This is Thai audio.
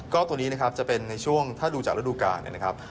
ก็ตัวนี้นะครับถ้าดูจากศาสตร์ระดูกาเนี่ยนะครับ